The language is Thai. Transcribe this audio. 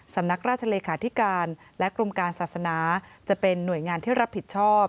สำนักราชเลขาธิการและกรมการศาสนาจะเป็นหน่วยงานที่รับผิดชอบ